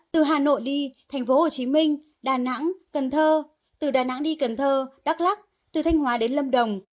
từ hà nội đi thành phố hồ chí minh đà nẵng cần thơ từ đà nẵng đi cần thơ đắk lắc từ thanh hóa đến lâm đồng